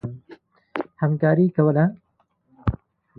همکاري کوله.